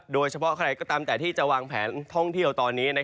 โดยเฉพาะใครก็ตามแต่ที่จะวางแผนท่องเที่ยวตอนนี้